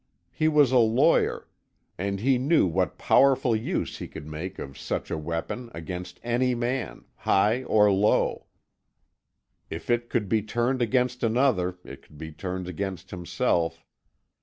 He was a lawyer, and he knew what powerful use he could make of such a weapon against any man, high or low. If it could be turned against another it could be turned against himself.